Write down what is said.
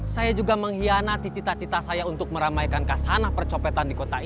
saya juga mengkhianati cita cita saya untuk meramaikan kasanah percopetan di kota ini